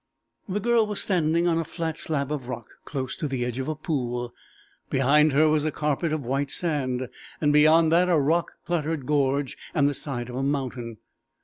The girl was standing on a flat slab of rock close to the edge of a pool. Behind her was a carpet of white sand, and beyond that a rock cluttered gorge and the side of a mountain.